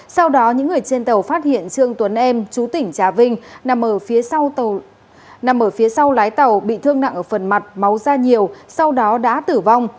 sau đó những người trên tàu phát hiện trương tuấn em chú tỉnh trà vinh nằm ở phía sau lái tàu bị thương nặng ở phần mặt máu ra nhiều sau đó đã tử vong